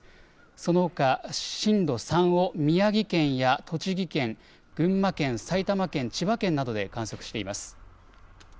そのほか震度３を宮城県や栃木県、群馬県、埼玉県、千葉県などで観測しています。